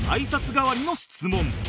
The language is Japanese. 代わりの質問